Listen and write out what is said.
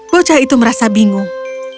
bocah itu merasa bingung